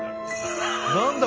何だ？